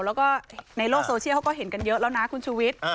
แล้วก็ในโลกโซเชียลเขาก็เห็นกันเยอะแล้วนะคุณชุวิต